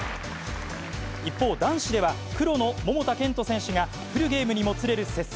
一方、男子では、黒の桃田賢斗選手が、フルゲームにもつれる接戦。